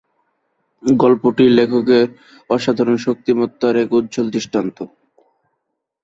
গল্পটি লেখকের অসাধারণ শক্তিমত্তার এক উজ্জ্বল দৃষ্টান্ত।